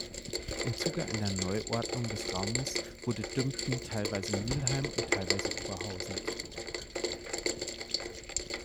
Im Zuge einer Neuordnung des Raumes wurde Dümpten teilweise Mülheim und teilweise Oberhausen zugeordnet.